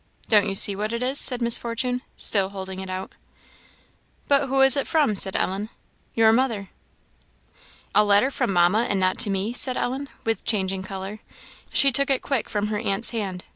"Don't you see what it is?" said Miss Fortune, still holding it out. "But who is it from?" said Ellen. "Your mother." "A letter from Mamma, and not to me!" said Ellen, with changing colour. She took it quick from her aunt's hand.